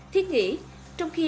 thiết nghĩ trong khi